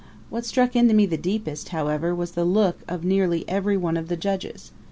What struck into me deepest, however, was the look of nearly every one of the judges.